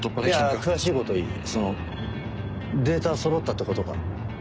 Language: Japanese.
いや詳しいことはいいそのデータはそろったってことか？